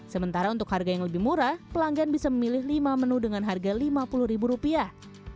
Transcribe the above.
sementara untuk harga yang lebih murah pelanggan bisa memilih lima menu dengan harga lima puluh ribu rupiah